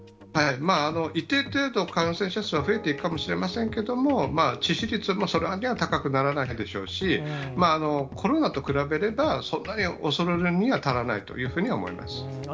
一定程度、感染者数は増えていくかもしれませんけども、致死率もそれほど高くならないでしょうし、コロナと比べれば、そんなに恐れるには足らないというふうには思います。